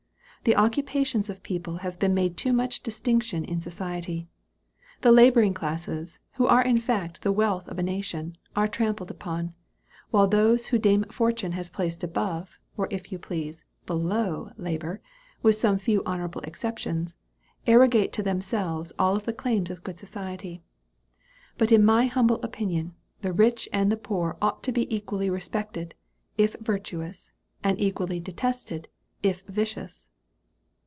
The occupations of people have made too much distinction in society. The laboring classes, who are in fact the wealth of a nation, are trampled upon; while those whom dame Fortune has placed above, or if you please, below labor, with some few honorable exceptions, arrogate to themselves all of the claims to good society. But in my humble opinion, the rich and the poor ought to be equally respected, if virtuous; and equally detested, if vicious."